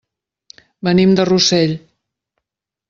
Venim de Rossell.